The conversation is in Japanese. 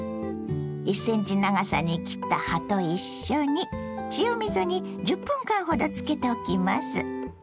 １ｃｍ長さに切った葉と一緒に塩水に１０分間ほどつけておきます。